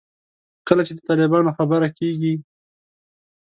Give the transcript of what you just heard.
کله چې د طالبانو خبره کېږي.